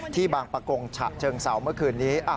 ที่บางประกงค์ฉะเชิงเสาเมื่อคืนนี้